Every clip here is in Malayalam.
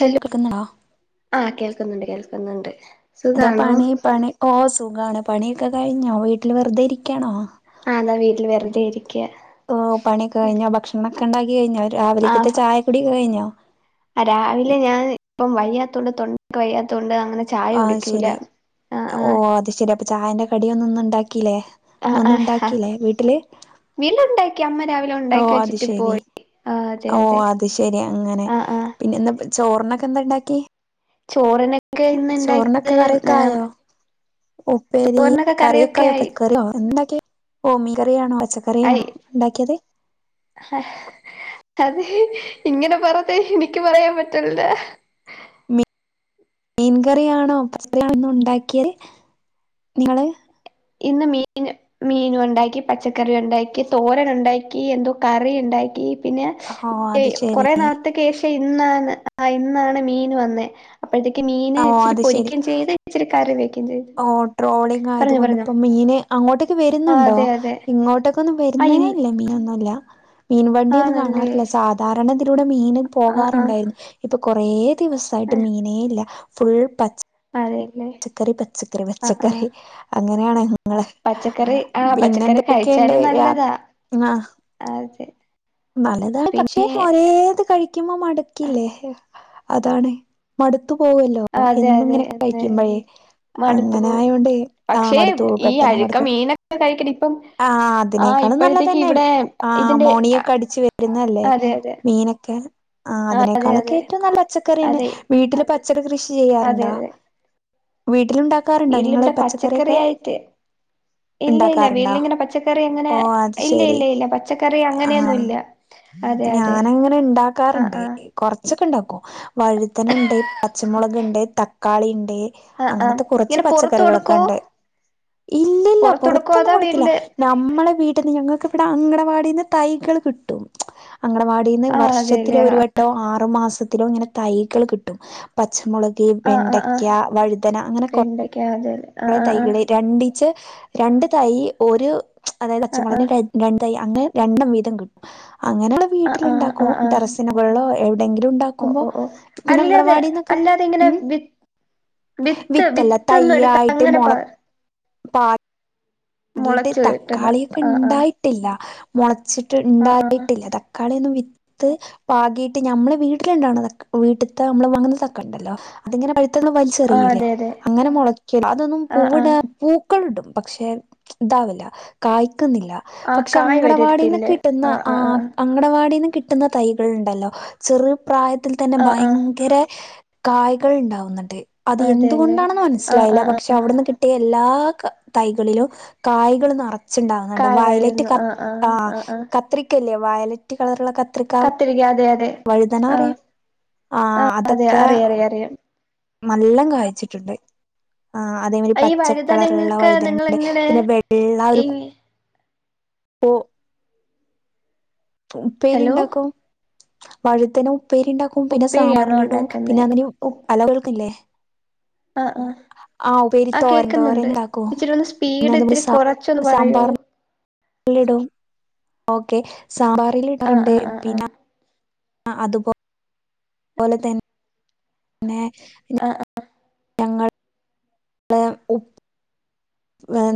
ഹല്ലോ കേക്കുന്നുണ്ടോ ആ കേൾക്കുന്നുണ്ട് കേൾക്കുന്നുണ്ട്. ന്താ സുഖാണോ പണി പണി ഓ സുഖാണ് പണിക്കെ കഴിഞ്ഞോ? വീട്ടില് വെറുതെ ഇരിക്കാണോ? ആ താ വീട്ടില് വെർതെഇരി ഓ പണിയൊക്കെ കൈഞ്ഞോ? ഭക്ഷണംക്കെ ഇണ്ടാക്കി കൈഞ്ഞോ? രാവിലേക്കത്തെ ചായ കുടി കഴിഞ്ഞോ? ആ രാവിലെ ഞാൻ പ്പം വയ്യാത്തൊണ്ട് തൊൺവയ്യാത്തോണ്ട്. ആ ശെരി ഓ അത് ശെരി അപ്പൊ ചായന്റെ കടിയൊന്നും ഇന്ന് ഇണ്ടാക്കി ക്കിലെ ഇന്നൊന്നും ഉണ്ടാക്കിയിലേ വീട്ടില്? വീടില്ണ്ടാക്കി അമ്മ രാവിലെ ഓ ഉണ്ടാക്കി അത് വെച്ചിട്ട് ശരി പോയി. ആഹ് അതെ ഓ അതെ അത് ശെരി അങ്ങനെ ആഹ് ആഹ് പിന്നെന്നപ്പ ചോറിനൊക്കെ എന്താണ്ടാക്കി? ചോറിനക്കെയിന്ന് ഇണ്ടാക്കിയത് ഏ കറിയൊക്കെ ഹ്മ്. ആയോ ഉപ്പേരി കറിയക്കായോ [unintelligible] ന്തണ്ടാക്കി ഓ മീൻകറിയാണോ? ആയി പച്ചക്കറിയണോ ഉണ്ടാക്കിയത്? അതെ ഇങ്ങനെ പറതേ എനിക്ക് പറയാൻ പറ്റ്ണില്ല. മി മീൻകറിയാണോ [unintelligible] ആണോ ഉണ്ടാക്കിയത് ങ്ങള്? ഇന്ന് മീൻ മീനുണ്ടാക്കി പച്ചക്കറി ഉണ്ടാക്കി തോരൻ ഉണ്ടാക്കി എന്തോ കറി ഉണ്ടാക്കി. പിന്നെ ഓ ശ് അത് ശരി കൊറെേ നാളത്തക്കേഷം ഇന്നാണ് ആ ഇന്നാണ് മീൻ വന്നേ. അപ്പോഴത്തേക്ക് മീൻ ഓ ഇച്ചിരി അത് ശരി പൊരിക്കും ചെയ്ത് ഇച്ചിരി കറി വെക്കു ഓ ട്രോളിങ്ങയതുകൊണ്ട് പ്പം. മീന് അങ്ങോട്ടൊക്കെ ആ വരുന്നുണ്ടോ അതെ അതെ ഇങ്ങോട്ടൊക്കെ ഒന്നും ആ ഇൻ വരുന്നേല്ല മീനൊന്നു ല്ല. മീൻ വണ്ടിഒന്നും ആണല്ലേ കാണാറില്ല സാധാരണതിലൂടെ മീൻ ആ ആ പോകാറുണ്ടായിരുന്നു ഇപ്പൊ കൊറേ. ആ, ദിവസായിട്ട് മീനേല്ല ഫുൾ പച്ച് അതെല്ലേ ച്ചക്കറി പച്ചക്കറി ആ ആ പച്ചക്കറി അങ്ങനെയാണെ. ങ്ങളെ പച്ചക്കറി ആ ഹ്‌ പച്ചക്കറി പിന്നെന്തൊക്കെണ്ട് കഴിച്ചാലും യാ നല്ലതാ ആഹ്‌. അതെ നല്ലതാണ് പക്ഷെ പിന്നെ ഒരേത് കഴിക്കുമ്പോ മട്ക്കില്ലേ? അതാണ് മടുത്തു പോവല്ലോ അതെ എന്നു അതെ ങ്ങനെ അതെ കൈക്കുമ്പഴേ. മടുത്തു അങ്ങനെ പോകും ആയോണ്ടേ ആഹ്‌ പക്ഷേ മടുത്തു ഈ പെട്ടെന്ന് അഴുക്ക മടുക്കും മീനൊക്കെ കഴിക്കണം ഇപ്പം അ ആ അതിനേക്ക ആഹ് [unintelligible] ഇപ്പോഴത്തേക്ക് നല്ലതന്നെ ഇവിടെ ആ ഇതിന്റെ മോണിയൊക്കെ അടിച്ചു വരുന്നല്ലേ അതെ അതെ മീനൊക്കെ? ആ ആഹ് അതെ അതിനേക്കാളൊക്കെ അതെ ഏറ്റവും നല്ല പച്ചക്കറിന്നെ അതെ വീട്ടിൽ പച് പച്ചക്കറി കൃഷി അതെ ചെയാറുണ്ടൊ അതെ വീ ലു ഉണ്ടാക്കാറുണ്ടോ നിങ്ങൾ വീട്ടിലിവിടെ പച്ചക്കറിയൊക്കെ? പച്ചക്കറിയായിട്ട് ഇല്ല ഇല്ല ഇണ്ടാക്കാറുണ്ടോ വീട്ടിലിങ്ങനെ പച്ചക്കറി അങ്ങനെ ഓ അത് ഇല്ല ശരി ഇല്ല ഇല്ല പച്ചക്കറി അങ്ങ ആഹ് അങ്ങനെയൊന്നുംല്ല. ഞാനങ്ങനെ ഇണ്ടാക്കാറുണ്ട് ആഹ് കൊറച്ചൊക്കെ ഇണ്ടാക്കും. വഴുതനണ്ട്, പച്ചമുളക്ണ്ട്, തക്കാളി ഇൻ ആഹ് ആഹ് അങ്ങനത്തെ കുറച്ച് ഇങ്ങനെ പുറത്ത് പച്ചക്കറികളൊക്കെ കൊടുക്കോ ണ്ട്. ഇല്ലല്ല പുറത്ത് കൊടുക്കോ പൊറത്തൊന്നും അതാ കൊടുക്കില്ല വീട്ടില് നമ്മളെ വീട്ടന്ന് ഞങ്ങൾക്ക് ഇവിടെ അങ്ങണ വാടിന്ന് തൈകൾ കിട്ടും. അങ്കണവാടിന്ന് ആഹ് വർഷത്തില് അതെല്ലേ ഒരു ആഹ് വട്ടോ ആറു മാസത്തിലോ ഇങ്ങനെ തൈകൾ കിട്ടും ഹ്‌ പ പച്ചമുളക്, ആഹ് ആഹ് വെണ്ടയ്ക്ക, ആഹ് വഴുതന അങ്ങനെ കൊ വെണ്ടയ്ക്ക അതെല്ലേ ആഹ് കുറെ ആഹ് ആഹ് തൈകള് രണ്ടിചെ, രണ്ടു തൈ ഒരു. അതായത് ആഹ് പച്ചമൊളന്റെ ര ആഹ് രണ്ട് തൈ അങ്ങനെ രണ്ടണ്ണം വീതം കിട്ടു അങ്ങനെയുള്ള വീട്ടിലുണ്ടാക്കും ടെറസിൻ. [unintelligible] ഓ ഓ ഓ അല്ലാതെ അങ്കണവാടിന്നൊക്കെ അല്ലാതെ ഇങ്ങനെ ഉം വി വിത്ത് വിത്തല്ല വിത്തൊന്നും എടുത്ത് അങ്ങനെ പാർ പ കീട്ട് കിട്ടണ തക്കാളിയൊക്കെ ആഹ് ആഹ് ഉണ്ടായിട്ടില്ല. മുള ച്ചിട്ട് ആഹ് ആഹ് ഉണ്ടായിട്ടില്ല. തക്കാളിയൊന്നും വി ത്ത് പാകിയിട്ട് ഞമ്മള് വീട്ടിലുവണതക്കാ വീട്ടത്തെ നമ്മൾ വാങ്ങുന്ന തക്കാളി ഉണ്ടല്ലോ അതിങ്ങനെ പഴുത്ത് റ്റന്ന് ആഹ് വലിച്ചെറിയില്ലേ അതെ അതെ അങ്ങനെ മുളക്കുവല്ലോ? അതൊന്നും ആഹ് പൂവിട ആഹ് പൂക്കളിടും പക്ഷെ ഇതാവില്ല കായ ക്കുന്നില്ല ആഹ് പക്ഷെ കായ് അങ്കടവാടിന്ന് വരത്തില്ലേ കിട്ടുന്ന ആഹ് ആ ആഹ് ആഹ് അങ്കടവാടി കിട്ടുന്ന തൈകളുണ്ടല്ലോ ചെറു പ്രായത്തിൽ തന്നെ ആഹ് ആഹ് ഭയങ്കര കായ്കൾ ഉണ്ടാവുന്നുണ്ട്. അത് അതെല്ലേ എന്തുകൊണ്ടാണെന്ന് ആഹ് മനസ്സിലായില്ല ആഹ് ആഹ് പക്ഷെ അവിടുന്ന് കിട്ടിയ എല്ലാ തൈകളിലും കായകൾ നെ റച്ച് ഉണ്ടാവുന്നുണ്ട്. കായ് വയലറ്റ് വരുന്നു ആഹ് ആഹ് ആഹ് ആഹ് കത്രിക്കല്ലേ വയലറ്റ് കളറുള്ള കത്രി കത്തിരിക്ക അതെ അതെ ആ ആ അതെ അറിയാം അറിയാം അറിയാം നല്ലം കായച്ചിട്ടുണ്ട്. ആ അതേമാതിരി ഈ പച്ചക്കളറുള്ള വഴുതനങ്ങൊക്കെ വഴുതന ഉണ്ട്. നിങ്ങളെങ്ങനെ പിന്നെ വെള്ള ഒരു ഈ പോ ഉപ്പേരി ഹലോ ഉണ്ടാക്കോ? വഴുതന ഉപ്പേരി ഉണ്ടാക്കും. പിന്നെ ഉപ്പേരിയാണോ സാമ്പാറിലിടും. ഉണ്ടാക്കുന്നേ പിന്നെ അങ്ങനെ അലവുകൾക്കില്ലേ? ആ ആ ആ തോരൻ തോരൻ കേക്കുന്നുണ്ട്. ഉണ്ടാക്കും ഇച്ചിരി ഒന്ന് പിന്നെ സ്പീഡ് ഇത്തിരി കുറച്ചൊന്ന് പറയോ? സ്പീഡോ? ഓക്കെ. ആഹ് സാമ്പാറിലിടാറുണ്ട്. ആഹ് ആഹ് ആഹ് പിന്നെ ആ അതുപോ പോലെ തന്ന പിന്നെ ആ ആ ഞങ്ങൾ ക്ക് ഉപ്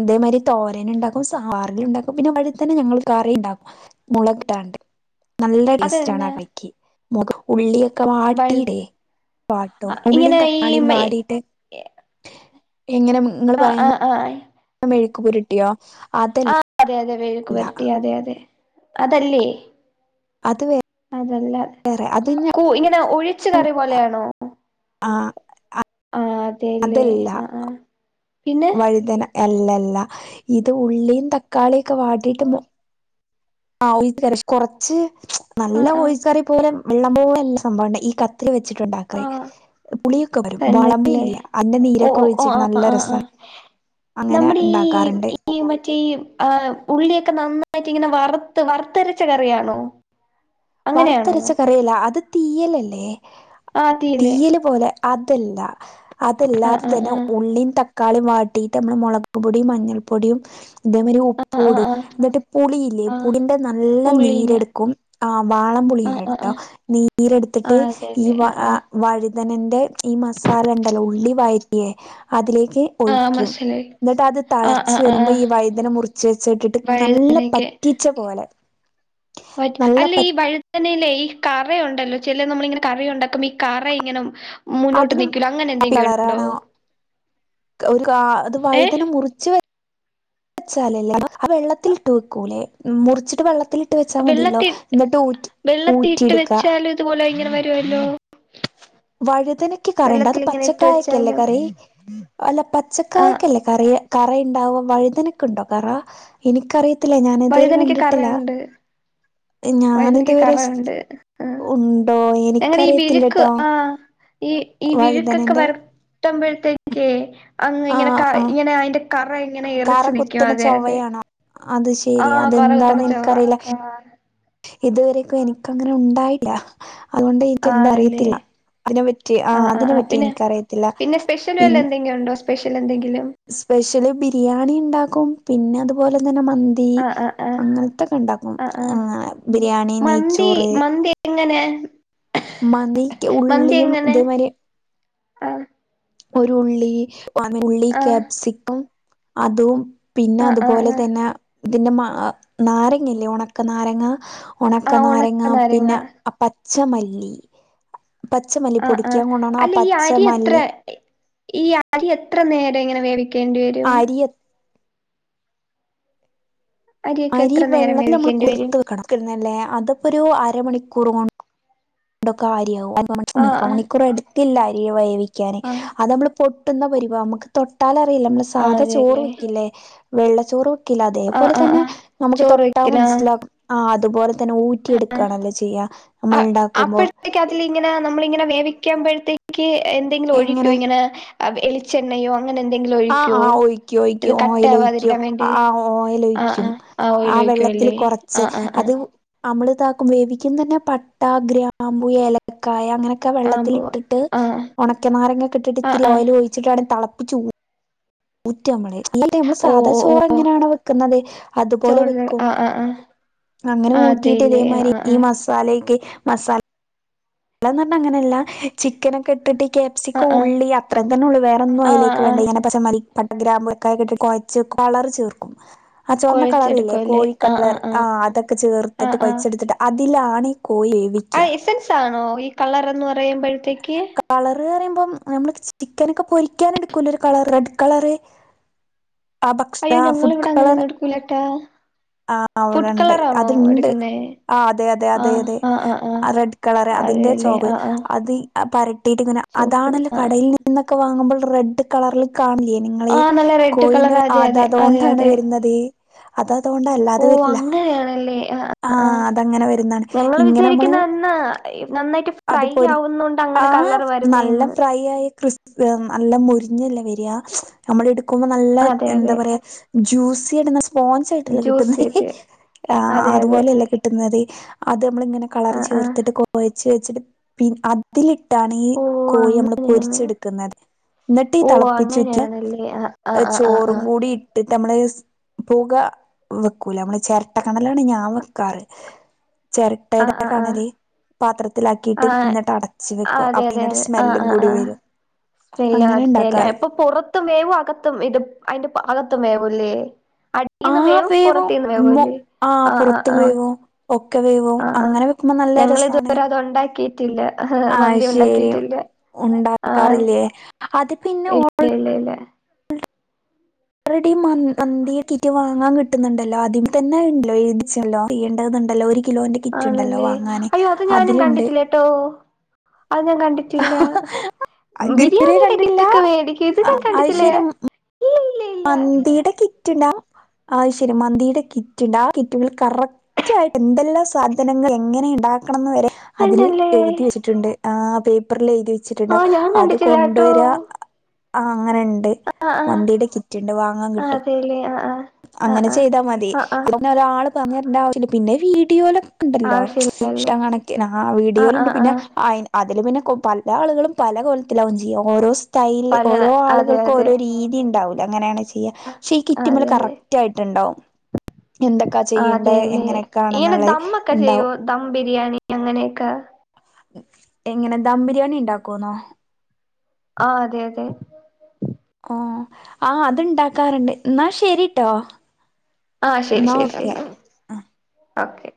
ഇതേമാതിരി തോരനുണ്ടാക്കും. സാമ്പാറിലുണ്ടാക്കും. പിന്നെ വഴുതനഞങ്ങൾ കറി ഉണ്ടാക്കും. മുള ടുണ്ട്. നല്ല ടേസ്റ്റാണ് ആ അതെന്നെ കറിയ്ക്ക്. ഉള്ളി ക്കെ വഴുത് വാട്ടീടെ വാട്ടോ ഉള്ളും ഇങ്ങനെ ഈ തക്കാളിയും വാടിട്ട് എങ്ങനെ നിങ്ങൾ ആഹ് പറയുന്ന ആഹ് ആഹ് മെഴുക്കു പുരുട്ടിയോ അതൽ ആഹ് അതെ അതെ മെഴുക്കുവരട്ടി അതെ അതെ അതല്ലേ? അത് വേ അതല്ല കു ഇങ്ങനെ ഒഴിച്ചു കറി പോലെയാണോ? ആ ആ അതെല്ലേ അതല്ല ആ ആ പിന്നെ? വഴുതന അല്ലല്ല ഇത് ഉള്ളിയും തക്കാളിയു ഒക്കെ വാടിട്ട് ആ ഒഴിത് കറി കൊറച്ച് നല്ല ആഹ് ആഹ് ഓഴിച്ചു കറി പോലും വെള്ളം പോലല്ല സംഭവം ഉണ്ടാ ഈ കത്രിക വെച്ച് ച്ചിട്ട് ഉണ്ടാക ആഹ് പുളിയൊക്കെ വരും. തന്നെല്ലേ വാളമ്പുളിഇല്ലേ അതിന്റെ ഓഹ് നീരൊക്കെ ഓഹ് ഒഴിച്ചിട്ട് ഓഹ് ആഹ് നല്ല ആഹ് രസ ആഹ് നമ്മുടെ ഈ ഈ മറ്റേ ആ ഉള്ളിയൊക്കെ നന്നാ പറ്റി ഇങ്ങനെ വറുത്ത് വറുത്തരച്ച കറിയാണോ? അങ്ങനെയാണോ വറുത്തരച്ച കറിയല്ല അത് തീയലല്ലേ ആഹ് അതീല്ലേ തീയല് പോലെ അതല്ല ആഹ് അതല്ലാതെ ആഹ് തന്നെ ആഹ് ഉള്ളിയും തക്കാ ക്കാളിയും വാട്ടിട്ട്നമ്മള് മുളകു പൊടിയും മഞ്ഞൾപ്പൊടിയും ഇതേമാതിരി ഉപ്പ് ആഹ് ഇടും. ആഹ് ആഹ് എന്നിട്ട് പുളിയില്ലേ ആഹ് പുളീന്റെ നല്ല പുള്ളീന നീരെടുക്കും. ആ വാളംപുളിയണം ആഹ് ആഹ് കേട്ടോ. ആഹ് നീരെടുത്തിട്ട് ആഹ് ഈ അതെല്ലേ വ ആഹ് ആഹ് വഴു തെന്റെ ഈ മസാല ഉണ്ടല്ലോ ഉള്ളി വയറ്റിയേ അതിലേക്ക് ആഹ് ഒഴിക്കും. മനസ്സിലായി എന്നിട്ട് അത് ആഹ് തളച്ച് ആഹ് ആഹ് വരുമ്പോ ആഹ് ഈ വഴുതന മുറച്ച് വെച്ചിട്ടിട്ട് നല്ല വഴുതനക്കെ പറ്റിച്ച പോലെ പറ്റ് നല്ല അല്ല പ ഈ വഴുതനേല് ഈ കറ ഉണ്ടല്ലോ? ചില നമ്മള് ഇങ്ങനെ കറി ഉണ്ടാക്കുമ്പോ ഈ കറ ഇങ്ങനെ മുന്നോട്ട് അതിനും നിക്കുലോ. അങ്ങനെ എന്തെങ്കിലും ഉണ്ടോ? കളറാണ് ഒരു കാ അത് ഏഹ് വഴുതന മുറിച്ച് വച്ചാലല്ലെ ആ വെള്ളത്തിട്ട് വെക്കൂലെ മുറിച്ചിട്ട് വെള്ള ത്തിലിട്ട് വെച്ചാ മതിയല്ലോ വെള്ളത്തി എന്നിട്ട് ഊറ്റി ഊറ്റി എടുക്ക റ്റുവല്ലേ വഴുതനക്ക് കറയുണ്ടോ അത് ഇങ്ങനെ ഇട്ട് പച്ചക്കായക്കല്ലേ വെച്ചാലും കറി? അല്ല ആഹ് പച്ചക്കായക്കല്ലേ കറിയ കറയ്ണ്ടാവോ വഴുതനൊക്ക് ഉണ്ടോ കറ എനിക്കറിയ ത്തില്ല ഞാൻ ഇതുവരെ വഴുതനക്ക് കണ്ടിട്ടില്ല കറയുണ്ട് ഞാൻ വഴുതനക്ക് ഇതുവരെ ശ് ശ് കറയുണ്ട് ആഹ് ഉണ്ടോ എനിക്കറിയത്തില്ലട്ട അ ഈ ഈ വിഴുക്കൊക്കെ വരത്തുമ്പോഴത്തേക്കേ അങ് ആഹ് ഇങ്ങനെക്ക ആഹ് ഇങ്ങനെ അയിന്റെ കറ ഇങ്ങനെ കറ എറിച്ച് നിക്കും കുത്തണ അതെ അതെ ചൊവ്വയാണോ അത് ശെരി ആഹ് കൊറ കുത്തണ അതെന്താന്ന് ചൊവ എനിക്കറിയില്ല ആഹ് ഇതുവരെക്കു എനിക്കങ്ങനെ ഉണ്ടായില്ല അതുകൊണ്ട് എനിക്ക് എന്താ ആണല്ലേ അറിയത്തില്ല അതിനെ പറ്റി ആ ആഹ് ആഹ് അതിനെ ആഹ് പറ്റി പിന്നെ എനിക്കറിയത്തില്ല പിന്നെ സ്പെഷ്യല് പിൻ വല്ല എന്തെങ്കിലും ഉണ്ടോ സ്പെഷ്യൽ എന്തെങ്കിലും സ്പെഷ്യല് ബിരിയാണി ഇണ്ടാ ക്കും പിന്നെ അതുപോലെ തന്നെ മന്തി ആഹ് ആഹ് ആഹ് അങ്ങനത്തക്കെ ഉണ്ടാക്കും ആഹ് ആ ആഹ് ബിരിയാണി മന്തി നെയ്ച്ചോറ് മന്തി എങ്ങനെ? മന്തിക്ക് മന്തി ഉള്ളിയും എങ്ങനെ ഇതേമാരി ആഹ് ഒരു ഉള്ളി ഉള്ളി ആഹ് ക്യാപ്സിക്കം അതും പിന്നെ ആഹ് ആഹ് അതുപോലെ ആഹ് തന്നെ ഇതിന്റെ മാ നാരങ്ങില്ലേ ഉണക്ക നാരങ്ങ ആഹ് ഉണക്കനാരങ്ങ ഉണക്ക പിന്നെ നാരങ്ങ അ പച്ചമല്ലി പച്ചമല്ലി ആഹ് ആഹ് പൊടിക്കാൻ കൊണ്ടാണ ആ അല്ല ഈ അരി എത്ര പച്ചമല്ലി ഈ അരി എത്ര നേരം ഇങ്ങനെ വേവിക്കേണ്ടി വരും? അരി അരിയൊക്കെ അരി എത്ര നേരം വെള്ളത്തിൽ നമ്മള് വേവിക്കേണ്ടി വരും കുറത്ത് വെക്കണം [unintelligible] ന്നല്ലേ അതപ്പൊരു അരമണിക്കൂർ കൊ അണ്ടൊക്കെ [unintelligible] ആഹ് മുക്കാ ആഹ് മണിക്കൂർ എടുത്തില്ല അരി വേവിക്കാന് ആഹ് അത് നമ്മള് പൊ ട്ടുന്ന പരിവ നമുക്ക് തൊട്ടാൽ അറിയില്ലെ നമ്മള് സാധ ആഹ് ചോറ് അതെല്ലേ വയ്ക്കില്ലേ വെള്ളച്ചോറ് [unintelligible] ആഹ് അതേപോലെ ആഹ് തന്നെ ആഹ് നമുക്ക് ചോറ് തൊട്ടാ വെക്കലാ മൻസ്സിലാഉം ആ അതുപോലെ തെ ഊറ്റിയെടുക്കാണല്ലോ ചെയ്യ നമ്മൾണ്ടാ അപ്പോഴത്തേക്ക് അതിൽ ഇങ്ങനെ നമ്മളിങ്ങനെ വേവിക്കുമ്പഴത്തേക്ക് എന്തെങ്കിലും ഒഴിക്കോ ഇങ്ങനെ അ വെളിച്ചെണ്ണയും ആഹ ആഹ ഒയ്ക്കു ഒയ്ക്കു ഓയിൽ ഒഴിക്കും കട്ടയാവാതിരിക്കാൻ വേണ്ടി ആ ഓയിൽ ആഹ് ഒയിക്കും ആഹ് ആഹ് ഓയില് വെള്ളത്തിൽ ഒഴിക്കുവല്ലേ കുറച്ച് ആഹ് ആഹ് ആഹ് അത് നമ്മള ഇതാക്കും വേവിക്കുന്ന തന്നെ പട്ട ഗ്രാമ്പു ഏലക്കായ അങ്ങനെ ക്ക ആഹ് വെള്ളത്തിൽ പോവാ ഇട്ടിട്ട് ആഹ് ഉണക്കനാരങ്ങൊക്കെ ഇട്ടിട്ട് ആഹ് ഇത്തിരി ആഹ് ഓയിൽ ഒഴിച്ചിട്ട് തളപ്പിച്ച് ചൂ ഊറ്റമ്മളെ ഈ നമ്മള് ഓഹ് സാധാ ഓഹ് ചോറ് ഓഹ് എങ്ങനെയാണ് വെക്കുന്നത് അതുപോലെ ചോറ് വെക്കും ആഹ് ആഹ് ആഹ് അങ്ങനെ ആഹ് ഊറ്റിയിട്ട് അതേല്ലേ ഇതേമാരി ആഹ് ഈ ആഹ് മസാലയ്ക്ക് മസാല [unintelligible] പറഞ്ഞ അങ്ങനെയല്ല ചിക്കനോക്കെ ഇട്ടിട്ട് ആഹ് കേപ്സിക്കോ ആഹ് ഉള്ളി അത്ര തന്നെ ഉള്ളൂ വേറൊന്നും ആഹ് അയിലേക്ക് ആഹ് വേണ്ട [unintelligible] പട്ട ഗ്രാമ്പൊക്കെ കെട്ടിട്ട് കൊഴച്ച് കൊളറ് ചേർക്കും ആ ചുവന്ന കളറില്ലേ കൊഴച്ചെടുക്കുവല്ലേ ആഹ് കോഴിക്കളർ ആഹ് ആ ആഹ് അതൊക്കെ ആഹ് ചേർത്തിട്ട് ആഹ് കൊഴച്ചെടുത്തിട്ട് അതിലാണ് കോഴി ആ വേവിക്കുക എസൻസ് ആണോ ഈ കളർന്ന് പറയുമ്പഴ്ത്തേക്ക്? കളറ് പറയുമ്പം നമ്മൾ ചിക്കനൊക്കെ പൊരിക്കാൻ എടുക്കൂലെ ഒരു കളർ റെഡ് കളറ് ആ ബക്സ്ഥ അയ്യോ ഫുഡ് ഞങ്ങളിവിടെ കളർ അങ്ങനെയൊന്നും എടുക്കൂലട്ടാ ആ ഫുഡ് അവിടെണ്ട് കളറാണോ അത്ണ്ട് എടുക്കുന്നേ ആ അതെ അതെ അതെ ആഹ് അതെ ആഹ് ആഹ് ആഹ് ആ റെഡ് കളർ അതിന്റെ അതെല്ലേ ചോബ് ആഹ് ആഹ് അത് പരട്ടിയിട്ട് ഇങ്ങനെ ചുവപ്പ് അതാണല്ലോ ആഹ് ആഹ് കടയിൽ നിന്നൊക്കെ വാങ്ങുമ്പോൾ റെഡ് കളറൽ കാണ്ലെ നിങ്ങള് ആഹ് നല്ല റെഡ് കോഴിന്റെ കളർ അതെ അത് അതെ അതെ അതുകൊണ്ടാണ് അതെ വരുന്നത് അത അതുകൊണ്ടല്ല ഓ അത് വരില്ല അങ്ങനെയാണല്ലേ ആഹ് ആഹ് ആഹ ആഹ് അതങ്ങനെ വരുന്നാണ് ഞങ്ങൾ ഇങ്ങനെ നമ്മള് വിചാരിക്കുന്ന എന്നാ നന്നായിട്ട് അത് ഫ്രൈ പൊരി ആവുന്നോണ്ട് ആ അങ്ങനെ ആ കളർ നല്ല വരുന്നേന്ന് പ്രായ ക്രിസ് മ് നല്ല മുൊരിഞ്ഞല്ലെ വരിയാ നമ്മൾ എടുക്കുമ്പോ നല്ല അതെ എന്താ അതെ പറയാ ജ്യൂസി ആടുന്ന സ്പോഞ്ച് ആയിട്ടല്ലോ കിട്ടുന്ന ജ്യൂസേറ്റ് ആ അതെ അതെ അതുപോലെയല്ലേ കിട്ടുന്നത് നമ്മള ഇങ്ങനെ കളർ ആഹ് ആഹ് ചേർത്തിട്ട് കുഴച്ച വെച്ചിട്ട് പിന്നെ അതില ട്ടാണ് ഈ ഓ കോഴി നമ്മള് അങ്ങനെയാണ് പൊരിച്ചെടുക്കുന്നത് എന്നിട്ട് ഓ അങ്ങനെയാണല്ലേ ആഹ് തിളപ്പിച്ചിട്ടില്ല ആഹ് ആഹ് ചോറും കൂടി ഇട്ട് നമ്മള് പുക വെക്കൂല നമ്മള് ചിരട്ട കണലാണ് ഞാൻ വെക്കാറ് ചിരട്ടയുടെ ആഹ് ആഹ് ആഹ് കണല് പാത്രത്തിലാക്കിയിട്ട് ആഹ് എന്നിട്ട് അടച്ച് ആ വെക്കും അതെ അതെ അപ്പതിനൊരു അതെ ആഹ് സ്മെല്ലും ആഹ് കൂടി ആഹ് വരും സ്മെല്ല അങ്ങനെ അതെല്ല ഉണ്ടാക്കാറ് ഇപ്പൊ പുറത്തും വേവും അകത്തും ഇത് അതിന്റെ അകത്തും വേവുംല്ലേ ആ അടിൽന്ന് വേവും പുറത്തുന്ന് വേവും മൊ അല്ലേ ആ ആ പുറത്തും ആ വേവും ഒക്കെ വേവും ആ ആ അങ്ങനെ വെക്കുമ്പോ നല്ല രസാണ് ഞങ്ങളിതുവരെ അത് ഉണ്ടാക്കിയിട്ടില്ല ആ മന്തി ശരി ഉണ്ടാക്കിട്ടില്ല ഉണ്ടാക്കാറില്ലേ അത് പിന്നെ ഇല്ല ഇല്ല ഇല്ലേ [inaudible] ഓൾറെഡി മന്തിക്കിറ്റ് വാങ്ങാൻ കിട്ടുന്നുണ്ടല്ലോ ആദ്യം തന്നെ ഉണ്ടല്ലോ എഴതില്ലോ ചെയ്യേണ്ട ണ്ടല്ലോ ഒരു കിലോന്റെ കിറ്റുണ്ടല്ലോ ആണല്ലേ വാങ്ങാനെ അയ്യോ അത് ഞാനും അതിലുണ്ട് കണ്ടിട്ടില്ലട്ടോ അത് ഞാൻ കണ്ടിട്ടില്ല ഇതുവരെ ബിരിയാണിയുടെ കണ്ടിട്ടില്ല കിറ്റക്കെ വേണ്ടികും ഇതി കണ്ടിട്ടില്ല ഇല്ല മന്തീടെ കിറ്റണ്ട് ആ ശരി മാന്തിയുടെ കിറ്റുണ്ട് ആ കിറ്റുകളിൽ കറക്റ്റ് ആയിട്ട് എന്തെല്ലാം സാധനങ്ങൾ എങ്ങനെുണ്ട എന്താകണംന്ന് വരെ അതില് തന്നല്ലേ എഴുതി വെച്ചിട്ടുണ്ട് ആ പേപ്പറിലേ വെച്ചിട്ടുണ്ട ആഹ് ഞാൻ അത് കണ്ടിട്ടില്ലാട്ടോ കൊണ്ടുവരാ അങ്ങനെുണ്ട് ആഹ് ആഹ് മന്തിയുടെ കിറ്റ്ണ്ട് വാങ്ങാൻ ആഹ് കിട്ടും അതെല്ലേ ആഹ് ആഹ് ആഹ് അങ്ങനെ ചെയ്താൽ മതി ആഹ് ആഹ് ആഹ് അപ്പങ്ങനെ ഒരാള് പറഞ്ഞിരണ്ട ആവശ്യില്ല പിന്നെ വീഡിയോല ണ്ടല്ലോ ആവശ്യമില്ലല്ലേ ഇഷ്ടം കണക്ക ആ ആഹ് വീഡിയോലുണ്ട് ആഹ് പിന്നെ ആഹ് അതിൽ പിന്നെ പല ആളുകളും പല കൊലത്തിലാവകും ചെയ്യാം ഓരോ സ്റ്റൈല പല ഓരോ അതെ ആളുകക്കും അതെ ഓരോ രീതി ഉണ്ടാവൂല അങ്ങനെയാണ് ചെയ്യുക പക്ഷെ ഈ കിറ്റിമ്മൽ അതെ കറക്റ്റ് അതെ ആയിട്ടുണ്ടാവും എന്തൊക്കാ ആഹ് ചെയ്യേണ്ടത് അതെല്ലേ ഇങ്ങനെ എങ്ങനെയൊക്കാണെന്നുള്ളത് ദമ്മൊക്കെ ചെയ്യോ ഉണ്ടാവും ദം ബിരിയാണി അങ്ങനെയൊക്കെ എങ്ങനെ ദം ബിരിയാണി ഉണ്ടാക്കോന്നോ ആ അതെ അതെ ആഹ അത്ണ്ടാക്കാറുണ്ട് എന്നാ ശരിട്ടോ ആഹ ശരി എന്നാ ശരി ശരി ഓക്കെ ആ ഓക്കെ